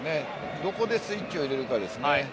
どこでスイッチを入れるかですね。